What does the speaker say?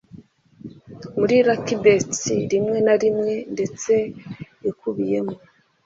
muri Lucky Bets rimwe na rimwe ndetse ikubiyemo